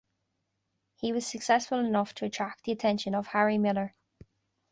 He was successful enough to attract the attention of Harry Miller.